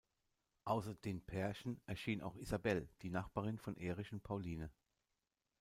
Außer den Pärchen erscheint auch Isabell, die Nachbarin von Erich und Pauline.